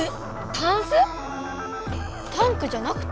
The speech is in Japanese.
タンス⁉タンクじゃなくて？